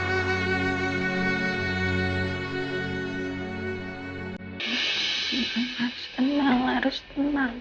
harus tenang harus tenang